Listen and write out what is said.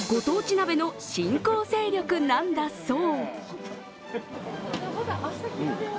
鍋の新興勢力なんだそう。